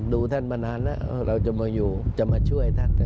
ดูท่านมานานแล้วเราจะมาอยู่จะมาช่วยท่าน